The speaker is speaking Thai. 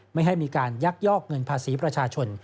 ไม่ให้มีการยักยอกเงินภาษีประชาชน